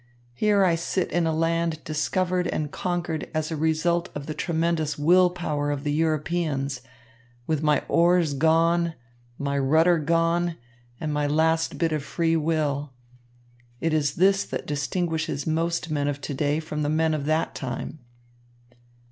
Here I sit in a land discovered and conquered as a result of the tremendous will power of the Europeans, with my oars gone, my rudder gone and my last bit of free will. It is this that distinguishes most men of to day from the men of that time."